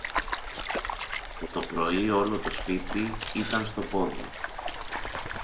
Από το πρωί όλο το σπίτι ήταν στο πόδι